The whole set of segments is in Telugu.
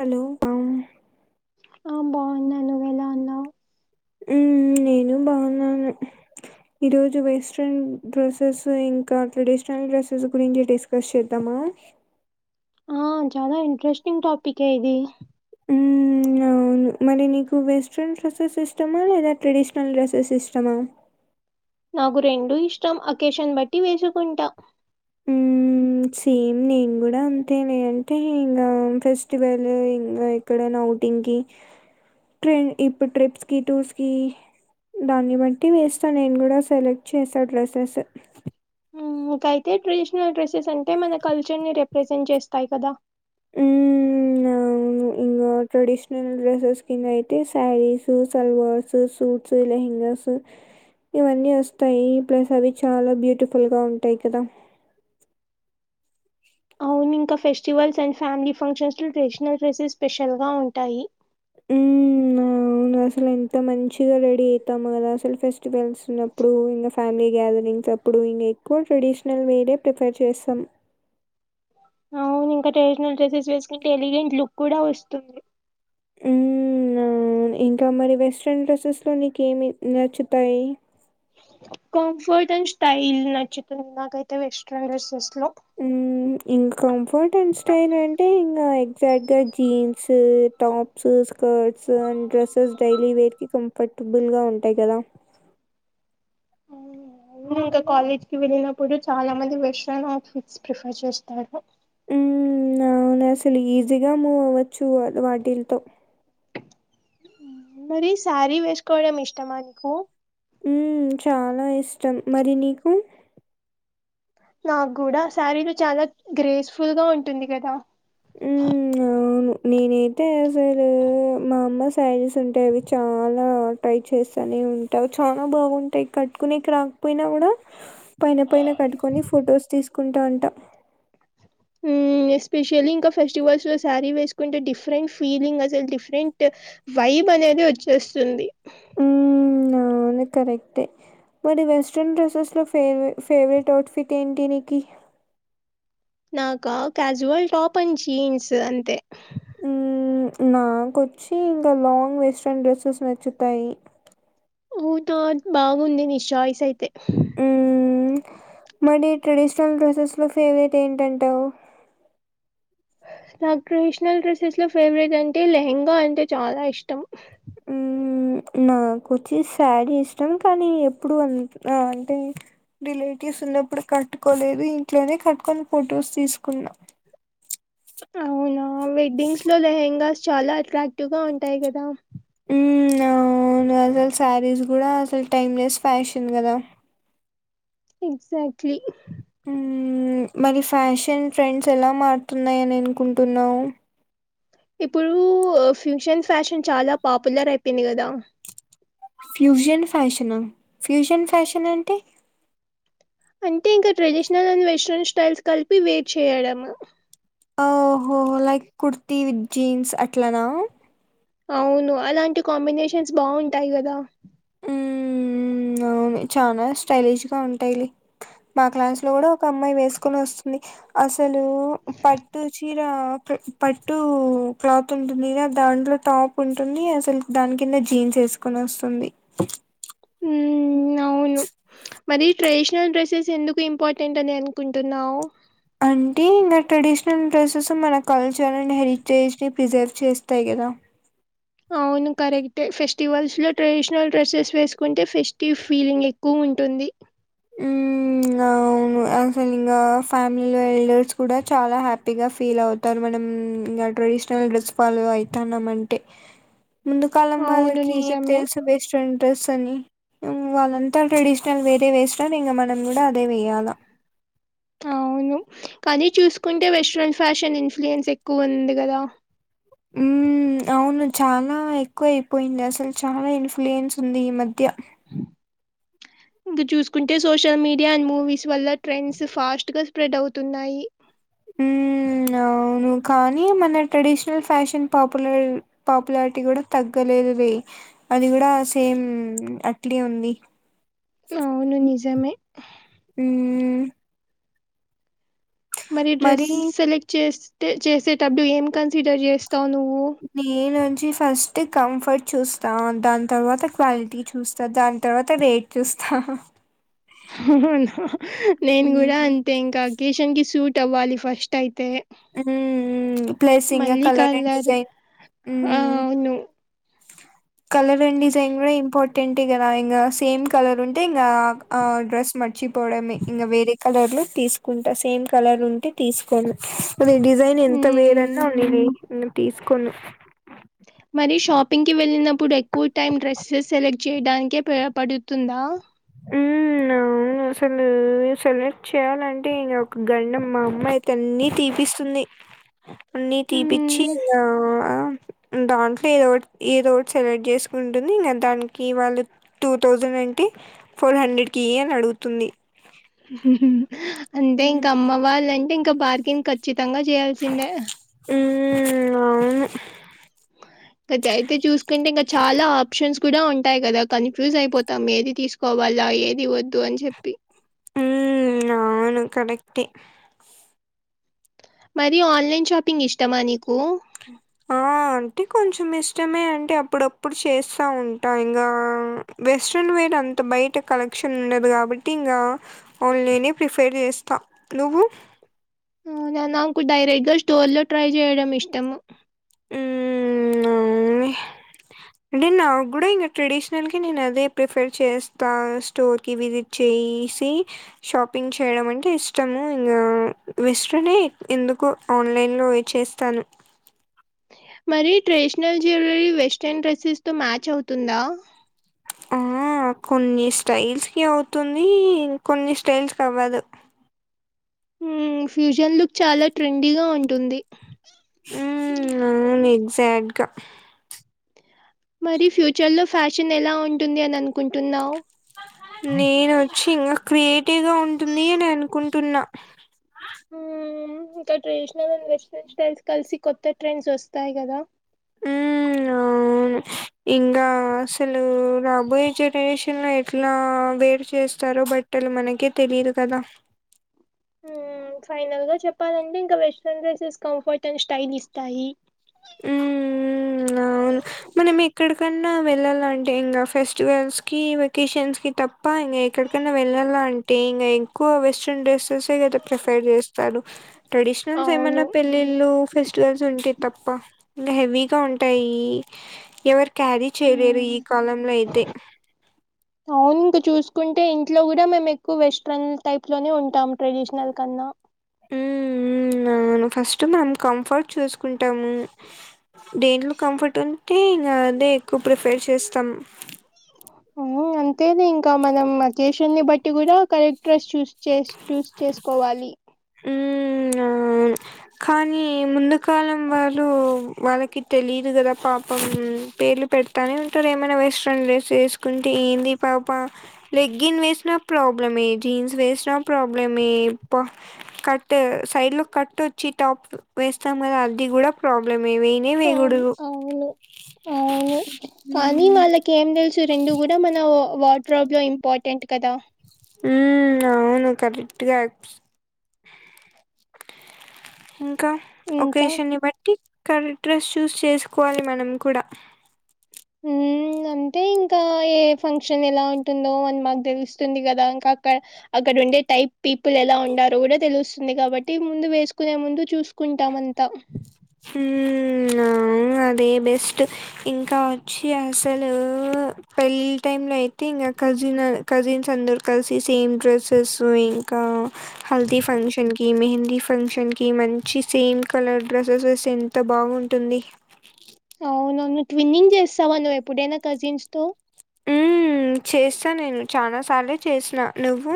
హలో... అ ఆ బావున్నా నువ్వు ఎలా ఉన్నావ్ ఉమ్ నేను బావున్నాను ఈ రోజు వెస్ట్రన్ డ్రెస్సెస్ ఇంకా ట్రెడిషనల్ డ్రెస్సెస్ గురించి డిస్కస్ చేద్దామ అ! ఆ చాలా ఇంట్రెస్టింగ్ టాపికే ఇది మ్మ్ [inaudible] అవును మరి నీకు వెస్ట్రన్ డ్రస్సెస్ ఇష్టమా లేదా ట్రెడిషనల్ డ్రెస్సెస్ ఇష్టమా నాకు రెండూ ఇష్టం అకేషన్ బట్టి వేసుకుంటా మ్మ్, సేమ్ నేను గూడా అంతేనే అంటే ఇంగ ఫెస్టివల్ ఇంగ ఎక్కడన జౌటింగ్కి ట్రి ఇప్పు ట్రిప్స్కి టూర్స్కి దాన్ని బట్టి వేస్తా నేను కూడా సెలెక్ట్ చేసాను డ్రెస్సెస్ ఇంకైతే ట్రెడిషనల్ డ్రెస్సెస్ అంటే మన కల్చర్ని రిప్రజెంట్ చేస్తాయి కదా మ్ అవును ఇ ట్రెడిషనల్ డ్రెస్సెస్ కింద అయితే శారీస్ సల్వార్స్ సూట్స్ లెహెంగాస్ ఇవన్నీ వస్తాయి ఈ ప్లేస్ అవి చాలా బ్యూటిఫుల్ గా ఉంటాయి కదా అవును ఇంకా ఫెస్టివల్స్ అండ్ ఫ్యామిలీ ఫంక్షన్స్లో ట్రెడిషనల్ డ్రెస్సెస్ స్పెషల్ గా ఉంటాయి ఉమ్మ్ నా అసలు ఎంత మంచిగా రెడీ అయితాము కదా అసలు ఫెస్టివల్స్ ఉన్నప్పుడు ఇంకా ఫ్యామిలీ గ్యాదరింగ్స్ అప్పుడు ఇప్పుడు నేను ఎక్కువ ట్రెడిషనల్ వేరే ప్రిఫెర్ చేసాం అవును ఇంకా ట్రెడిషనల్ డ్రెసెస్ వేసుకుంటే ఎలిగెంట్ లుక్ కూడా వస్తుంది మ్ అవును ఇంకా మరి వెస్ట్రన్ డ్రెస్సెస్లో నీకు ఏమి నచ్చుతాయి కంఫర్ట్ అడ్ స్టాయిల్ నచ్చుతుంది నాకైతే వెస్ట్రాన్ డ్రెసస్ మ్ ఇంకా కంఫర్ట్ అండ్ స్టైల్ అంటే ఇంగ సెట్గా jeans tops skirts and dresses daily వేయర్కి కంఫర్ట్ టుబుల్గ ఉంటాయ్ కదా అవును ఇంకా కాలేజ్కి వెళ్ళినప్పుడు చాలా మంది వెస్ట్రన్ అవుట్ ఫిట్స్కి ప్రిఫర్ చేస్తారు మ్మ్ అవును అసలు ఈజీగా మూవ్ అవ్వచ్చు వాళ్ వాటిల్తో మరి శారీ వేసుకోవడం ఇష్టమా నీకు మ్మ్ చాలా ఇష్టం మరి నీకు నాకు గూడా శారీలో చాలా గ్రేస్ఫుల్గ ఉంటుంది కదా ఉమ్మ్ అవును నెనైతే అసలు మా అమ్మ శారీస్ ఉంటాయి అవి చాలా ట్రై చేస్తానే ఉంట చాలా బాగుంటాయి కట్ కొని క్రా పోయినా కూడా పైన పైన కట్టుకొని ఫొటోస్ తీసుకుంటా ఉంటా ఉమ్ ఎస్పెషల్లీ ఇంకా ఫెస్టివల్స్లో శారీ వేసుకుంటే డిఫరెంట్ ఫీలింగ్ అసలు డిఫరెంట్ వై ఈమనేది వచ్చేస్తుంది హ్మ్. అవును కరెక్టే మరి వెస్ట్రన్ డ్రెస్సెస్ లో ఫేవ ఫేవరెట్ అవుట్ఫిట్ ఏంటి నీకు నాకా క్యాజువల్ టాప్ అండ్ జీన్స్ అంతే హ్మ్. నాకొచ్చి ఇంకా లాంగ్ వెస్ట్రన్ డ్రెస్సెస్ నచ్చుతాయి ఓకే బాగుంది నీ చాయిస్ అయితే హ్మ్. మరి ట్రెడిషనల్ డ్రెస్సెస్ లో ఫేవరెట్ ఏంటంటా నాకు ట్రెడిషనల్ డ్రెస్సెస్ లో ఫేవరెట్ అంటే లెహెంగా అంటే చాలా ఇష్టం మ్మ్ నాకు వచ్చి శారీ ఇష్టం కానీ ఎప్పుడు ఆ అంటే రిలె రిలేటివ్స్ ఉన్నప్పుడు కట్టుకోలేదు ఇంట్లోనే కట్టుకొని ఫొటోస్ తీసుకున్నా అవునా వెడ్డింగ్స్ లో లెహెంగాస్ చాలా అట్రాక్టివ్ గా ఉంటాయి కదా హ్మ్. అవును అసలు శారీస్ కూడా అసలు టైమ్లెస్ ఫ్యాషన్ కదా ఎగ్జాక్ట్లీ హ్మ్. మరి ఫ్యాషన్ ట్రెండ్స్ ఎలా మారుతున్నాయని అనుకుంటున్నావు ఇప్పుడు ఫ్యూజన్ ఫ్యాషన్ చాలా పాపులర్ అయిపోయింది కదా ఫ్యూజన్ ఫ్యా‌షనా ఫ్యూజన్ ఫ్యాషన్ అంటే అంటే ఇంకా ట్రెడిషనల్ అండ్ వెస్ట్రన్ స్టైల్స్ కలిపి వేర్ చేయడము ఓహో లైక్ కుర్తి విత్ జీన్స్ అట్లానా అవును అలాంటి కాంబినేషన్స్ బాగుంటాయి కదా అవును చానా స్టైలిష్గా ఉంటాయిలే మా క్లాస్ లో కూడా ఒక అమ్మాయి వేసుకొని వస్తుంది అసలు పట్టు చీర పట్టు క్లాత్ ఉంటుందిగా దాంట్లో టాప్ ఉంటుంది అసలు దాని కింద జీన్స్ వేసుకొని వస్తుంది మ్మ్ అవును మరి ట్రెడిషనల్ డ్రెస్సెస్ ఎందుకు ఇంపార్టెంట్ అని అనుకుంటున్నావు అంటే ఇంకా ట్రెడిషనల్ డ్రెస్సెస్ మన కల్చర్ అండ్ హెజిటేజ్ ని ప్రిజర్వ్ చేస్తాయి గా ఇగ అవును కరెక్ట్ ఫెస్టివల్స్ లో ట్రెడిషనల్ డ్రెసెస్ వేసుకుంటే ఫెస్టివ్ ఫీలింగ్ ఎక్కువ ఉంటుంది మ్మ్ అవును అసలు ఇంకా ఫ్యామిలీ వెల్డర్స్ కూడా చాలా హ్యాపీగా ఫీల్ అవుతారు మనం ఇంకా రె [unintelligible] అయితన్నాం అంటే ముందు కాలం అవును వాళ్ళకి ఏం నిజమే తెలుసు వేస్ట్రెన్ డ్రస్ అని వాళ్ళంతా ట్రెడిషనల్ వేరే వేసిన ఇంకా మనం కూడా అదే వేయాల అవును కానీ చూసుకుంటే వెస్ట్రన్ ఫ్యాషన్ ఇన్ఫ్లుయెన్స్ ఎక్కువ ఉంది కదా మ్మ్ అవును చాలా ఎక్కువ అయిపోయింది అసలు చాలా ఇన్ఫ్లుయెన్స్ ఉంది ఈ మధ్య ఇంకా చూసుకుంటే సోషల్ మీడియా అండ్ మూవీస్ వల్ల ట్రెండ్స్ ఫాస్ట్ గా స్ప్రెడ్ అవుతున్నాయి మ్మ్ అవును కానీ మన ట్రెడిషనల్ ఫ్యాషన్ పాపులర్ పాపులారిటీ కూడా తగ్గలేదు వే అది కూడా సేమ్ అట్లే ఉంది అవును నిజమే మ్ మరి డ్రెస్ సెలెక్ట్ చేస్తే చేసెటప్పుడు ఏం కన్సిడర్ చేస్త తనువు నేను వచ్చి ఫస్ట్ కంఫర్ట్ చూస్తాం దాని తర్వాత క్వాలిటీ చూస్తా దాని తర్వాత రేట్ చూస్తా హహు హుహు్ నేను కూడా మ్మ్ అంతే ఇంకా అకేషన్ కి సూట్ అవ్వాలి ఫస్ట్ అయి ఉహు ఊఊఉ ప్లేసింగ్ కలర్ అండ్ డిజైన్ ఆ మ్మ్ అవును కలర్ అండ్ డిజైన్ కూడా ఇంపార్టెంట్ కదా ఇంకా సేమ్ కలర్ ఉంటే ఇ యాక్ ఆన్ డ్రెస్ మర్చిపోడమే ఇంగ వేరే కలర్లు తీసుకుంటా సేమ్ కలర్ ఉంటే తీసుకోను. అది డిజైన్ ఎంత మ్మ్. వేరన్నా ఉండని నేను తీసుకోను. మరి షాపింగ్ కి వె ఇప్పుడు ఎక్కువ టైమ్ డ్రెస్సె సెలెక్ట్ చేయడానికే ప్రయోపడుతుందా ఉ అవును అసలు సెలెక్ట్ చేయ్యాలంటే ఇంగ ఒక గండమ్ మా అమ్మాయి కన్నీ తీపిస్తుంది. అన్ని తీపిచ్చి మ్మ్. ఇంగ దాంట్లో ఏ రోడ్ ఏ రోడ్ సెలెక్ట్ చేసుకుంటే నేనేంత దానికి వాళ్ళు టూ థౌజండ్ అంటే ఫోర్ హండ్రెడ్ కి ఇయి అని అడుగుతుంది. అంటే ఇంకా అమ్మ వాళ్ళంటే ఇంకా బార్కిన్ ఖచ్చితంగా చేయాల్సిందే మ్ అవును క దయి అయితే చూసుకుంటే ఇంకా చాలా ఆప్షన్స్ కూడా ఉంటాయి కదా కన్ఫ్యూజ్ అయిపోతాం ఏది తీసుకోవాలా ఏది వద్దు అని చెప్పి మ్ అవును కడట్టే మరి ఆన్లైన్ షాపింగ్ ఇష్టమా నీకు? ఆ! అంటే కొంచం ఇష్టమే అంటే అప్పుడప్పుడు చేస్త ఉంట ఇంగ వెస్ట్రెన్ వె ఏంటి అంత బయట కలెక్షన్ ఉండదు కాబట్టి ఇంకా ఆన్లైనే ప్రిఫేర్ చేస్తా నువ్వు ఊ నాకు డైరెక్ట్ గా స్టోర్ లో ట్రై చేయడం ఇష్టము హ్మ్ అవునులే. అంటే నాకు కూడా ఇంకా ట్రెడిషనల్ కి నేను అదే ప్రిఫర్ చేస్తా స్టోర్ కి విజిట్ చెయి ఇసి షాపింగ్ చేయడం అంటే ఇష్టము ఇంగ వెస్ట్రనే ఎందుకో ఆన్లైన్ లో వే చేస్తాను మరి ట్రెడిషనల్ జ్యువెలరీ వెస్ట్రన్ డ్రెస్సెస్ తో మ్యాచ్ అవుతుందా [inaudible] నాకు కొన్ని స్టైల్స్ కి అవుతుంది ఇంకొన్ని స్టైల్స్కి అవ్వదు మ్ ఫ్యూజన్ లుక్ చాలా ట్రెండీగా ఉంటుంది. ఉమ్ అవును ఎగ్జాట్ గా మరి ఫ్యూచర్ లో ఫ్యాషన్ ఎలా ఉంటుంది అని అనుకుంటున్నావు నేనొచ్చి ఇంకా క్రియేటివ్ గా ఉంటుంది అని అనుకుంటున్నా. మ్ ఇంకా ట్రెడిషనల్, అండ్ వెస్ట్రన్ స్టైల్స్ కలిసి కొత్త ట్రెండ్స్ వస్తాయి కదా. [inaudible] ఉమ్ అవును ఇంగా అసలు రాబోయే జనరేషన్ లో ఎట్లా వేరు చేస్తారో బట్ ట్టలు మనకే తెలిదు కదా [inaudible] ఫైనల్ గా చెప్పాలంటే ఇంకా western dresses comfort and style ఇస్తాయి ఊ అవ్ మనం ఎక్కడికన్నా వెళ్ళాల అంటే ఇంకా ఫెస్టివల్స్ కి వెకేషన్స్ కి తప్ ప్ప ఇంగ ఎక్కడకన్నా వెళ్ళల అంటే ఇంగ ఎక్కువ వెస్ట్రన్ డ్రెస్సెసె కదా ప్రిఫర్ చేస్తాను ట్రెడిషనల్స్ అవును ఏమన్నా పెళ్ళిళ్ళు ఫెస్టివల్స్ ఉంటె తప్ప ఇంగ హెవీగా ఉంటాయి ఎవరి. క్యారీ చేయలేరు మ్మ్. ఈ కాలంలో అయితే. శారీ ఇంక చూసుకుంటే ఇంట్లో కూడా మేము ఎక్కువ వెస్ట్రన్ టైప్ లోనే ఉంటాం ట్రెడిషనల్ కన్నా. [inaudible] ఉమ్ అవును ఫస్ట్ మనం కంఫర్ట్ చూసుకుంటాము. దేంట్లో కంఫర్ట్ ఉంటే ఇంకా అదే ఎక్కువ ప్రిఫేర్ చేస్తాం. ఆ అంతేలే ఇంకా మనం అకేషన్ని బట్టి కూడా కరెక్ట్. డ్రెస్ చూస్ చేస్ చూస్ చేసుకోవాలి‌. ఉ అవును కానీ ముందు కాలం వాలు వాళ్ళకి తెలీదు కదా పాపం పేర్లు పెడతానే ఉంటారు ఏమైనా వెస్ట్రన్ డ్రెస్ వేసుకుంటే. ఏంది ఈ పాపా లెగ్గిన్ వేసిన ప్రాబ్లమే జీన్స్ వేస్ వెసిన ప్రాబ్లమే ప కట్ సైడ్ లో కట్ వచ్చి టాప్ వేస్తాం కదా. అది కూడా ప్రాబ్లెమ్. ఫ్రమ్ అవును. అవును కానీ మ్మ్ వాళ్ళకి ఏం తెలుసు రెండు కూడా మన వా. ట్రాబ్ లో ఇంపార్టెంట్ కదా. ఉ అవును కరెక్ట్ గా ఇం కా ఇంకా ఒకేషన్ని ని బట్టి కరెక్ట్ డ్రెస్ చూస్ చేసుకోవాలి మనం కూడా. ఉ ఇంగ అంటే ఇంకా ఏ ఫంక్షన్ ఎలా ఉంటుందో అని మాకు తెలుస్తుంది కదా ఇంకా అక్కడ అక్క. ఇక్కడ ఉండే టైప్ పీపుల్ ఎలా ఉండారో కూడా తెలుస్తుంది కాబట్టి ముందు వేసుకునే ముందు చూసుకుంటాం అంతా. ఊ అ అవును అది బెస్ట్ ఇంకా వచ్చి అసలు పెళ్ళి టైంలో అయి అయితే ఇంకా కజిన్ కజిన్స్ అందరు కలిసి సేమ్ డ్రెస్సెస్ ఇంకా హల్దీ ఫం ఫంక్షన్ కి మెహేంది ఫంక్షన్ కి మంచి సేమ్ కలర్ డ్రెస్. డ్రెస్సెస్ ఎంత బాగుంటుంది‌ అవునన్ని ట్విన్నింగ్ చేస్తావా నువ్ ఎప్పుడైనా కజిన్స్ తో. ఉ చేస్తా నేను చానా సార్లే చేసిన నువ్వు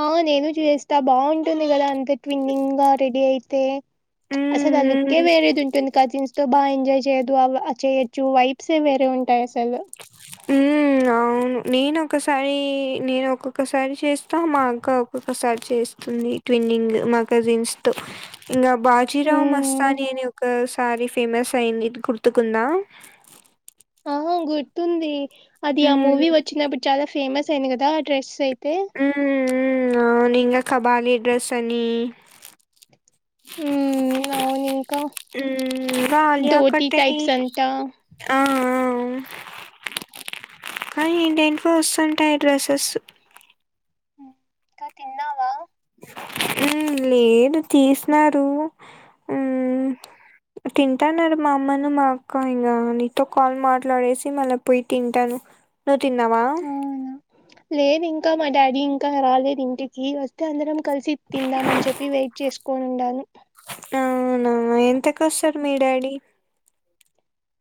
ఆ నేను చేస్తా బాగుంటుంది కదా అంత ట్విన్నింగ్ గా రెడీ అయితే అసలు ఆ లుకే మ్మ్ వేరేంటుంది కజిన్స్ తో బా ఎంజాయ్ చేదు అలా చేయొచ్చు వైబ్స్ వేరే ఉంటాయి అసలు మ్మ్ అవును నేను ఒకసారి నేను ఒక్కొక్కసారి చేస్తా మా అక్క ఒక్కొక్కసారి చేస్తుం ది ట్వినింగ్ మా కజిన్స్ తో ఇంగా బాజీరావ్ హ్మ్. మస్తాని అని ఒకసారి ఫేమస్ అయింది గుర్తుకుందా [inaudible] ఆ గుర్తుంది అది ఆ హ్మ్. మూవీ వచ్చినప్పుడు చాలా ఫేమస్ అయింది కదా ఆ డ్రెస్ అయ్ తె హ్మ్. ఇంగ కబాలి డ్రస్ అని ఉ ఆలియా ధోటీ కట్ట టైప్స్ తెలీదు అంటా ఆ ఏంటె ఏంటివో వస్తుంటాయి డ్రెస్సెస్ అక్క తిన్నావ మ్ లేదు తీసినారు ఉ తింటాన్నారు మా అమ్మను మా అక్క ఇంకా నీతో కాల్ మాట్లాడేసి మళ్ళా పోయి తింటాను నువ్ తిన్నవా అవును లేదు ఇంక మా డాడీ ఇంకా రాలేదు ఇంటికి వస్తే అందరం కలిసి తిందాం అని చెప్పి వెయిట్ చేసుకో ఉండాను అవున ఎంతకొస్తారు మీ డాడీ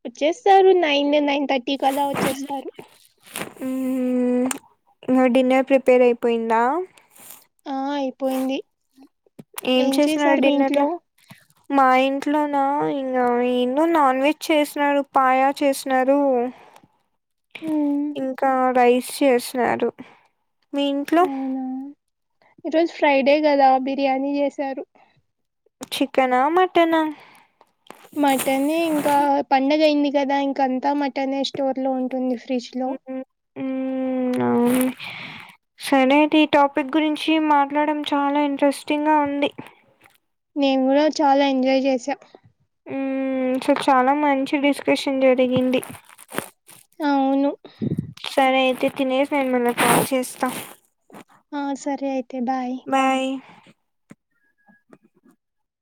వచ్చేస్తారు నైన్ నైన్ థర్టీకి అలా వచ్చేస్తారు ఊహు డిన్నర్ ప్రిపేర్ అయిపోయిందా ఆ అయిపోయింది ఏం చేసినారు చేశారు మీ డిన్నర్ల ఇంట్లో మా ఇంట్లో నా ఇంక ఎన్నో నాన్ వెజ్ చేసినారు పాయా చేసినారు [inaudible] హ్మ్ ఇంకా రైస్ చేసినారు మీ ఇంట్లో ఈరోజ్ ఫ్రైడే కదా బిర్యానీ చేసారు చికెనా మటనా మట నె ఇంకా పండగ అయింది కదా ఇంక అంతా మటన్ స్టోర్ లో ఉంటుంది ఫ్రిజ్లో ఉమ్, ఉమ్ అవును సరే అయితే ఈ టాపిక్ గురించి మాట్లాడం చాలా ఇంట్రెస్టింగ్ గా ఉంది నే న్ కూడ చాలా ఎంజాయ్ చేసా మ్ సో చాలా మంచి డిస్కషన్ జరిగింది అవును సరే అయితే తినేసి నేను మళ్ళ కాల్ చేస్తా ఆ సరే అయితే బాయ్ [inaudible]